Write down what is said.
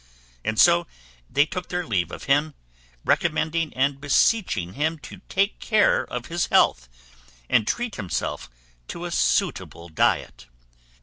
And so they took their leave of him, recommending and beseeching him to take care of his health and treat himself to a suitable diet.